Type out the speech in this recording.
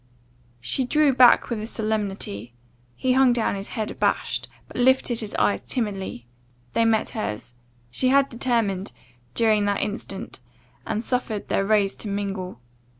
She drew back with solemnity, he hung down his head abashed; but lifting his eyes timidly, they met her's; she had determined, during that instant, and suffered their rays to mingle.